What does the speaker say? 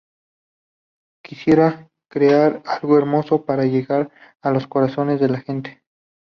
Quisiera crear algo hermoso para llegar a los corazones de la gente.